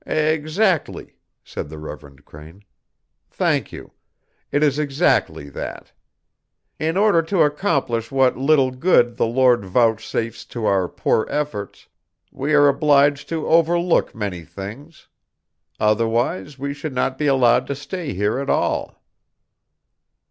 "Exactly," said the Reverend Crane. "Thank you; it is exactly that. In order to accomplish what little good the Lord vouchsafes to our poor efforts, we are obliged to overlook many things. Otherwise we should not be allowed to stay here at all."